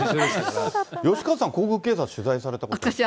吉川さん、皇宮警察を取材されたことは。